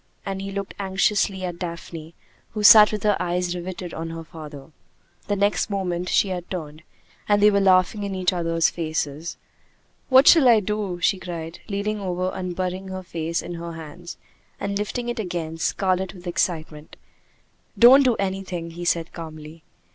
and he looked anxiously at Daphne, who sat with her eyes riveted on her father. The next moment she had turned, and they were laughing in each other's faces. "What shall I do?" she cried, leaning over and burying her face in her hands, and lifting it again, scarlet with excitement. "Don't do anything," he said calmly.